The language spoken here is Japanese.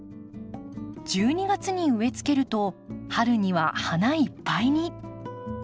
１２月に植えつけると春には花いっぱいに。